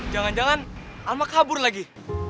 jangan jangan amak kabur lagi